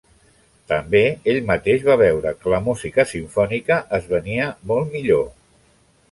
També ell mateix va veure que la música simfònica es venia molt millor.